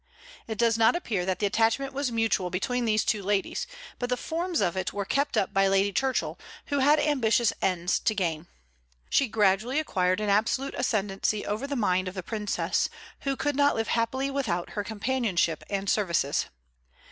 It does not appear that the attachment was mutual between these two ladies, but the forms of it were kept up by Lady Churchill, who had ambitious ends to gain. She gradually acquired an absolute ascendency over the mind of the Princess, who could not live happily without her companionship and services.